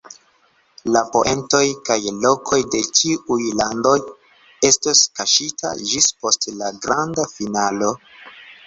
La poentoj kaj lokoj de ĉiuj landoj estos kaŝita ĝis post la granda finalo.